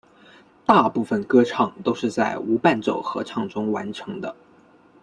大部分歌唱都是在无伴奏合唱中完成的。